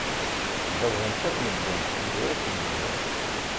Xeḍben-tt akk medden, ḥedd ur as-yezmir.